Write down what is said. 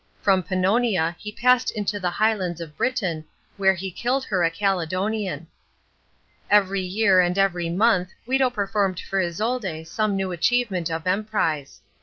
From Pannonia he passed into the Highlands of Britain, where he killed her a Caledonian. Every year and every month Guido performed for Isolde some new achievement of emprise.